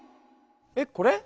えっこれ？